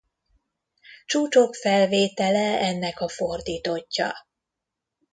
Csúcsok felvétele ennek a fordítottja.